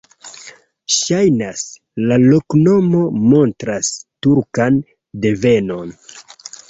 Ŝajnas, la loknomo montras turkan devenon.